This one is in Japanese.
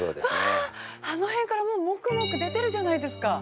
◆うわっ、あの辺からもうもくもく出てるじゃないですか。